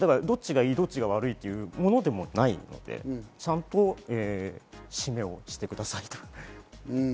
どっちがいい、どっちが悪いというものでもないので、ちゃんと締めをしてくださいと。